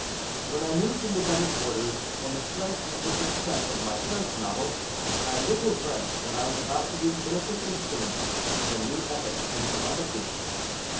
_ When I moved into better quarters on the strength of the success of my first novel, I little dreamt that I was about to be the innocent instrument of a new epoch in telepathy.